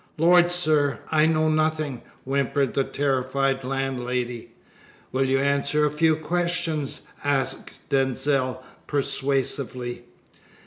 "Lord, sir! I know nothing!" whimpered the terrified landlady. "Will you answer a few questions?" asked Denzil persuasively.